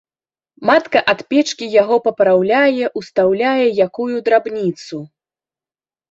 Матка ад печкі яго папраўляе, устаўляе якую драбніцу.